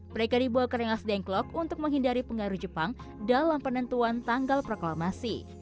mereka dibawa ke rengas dengklok untuk menghindari pengaruh jepang dalam penentuan tanggal proklamasi